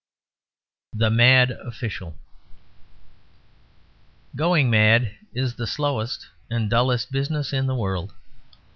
THE MAD OFFICIAL Going mad is the slowest and dullest business in the world.